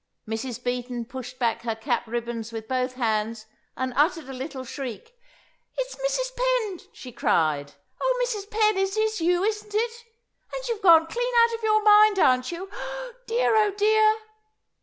Mrs. Beaton pushed back her cap ribbons with both hands, and uttered a little shriek. "It's Mrs. Penn!" she cried. "Oh, Mrs. Penn, it is you, isn't it? And you're gone clean out of your mind, aren't you? Oh, dear! oh, dear!"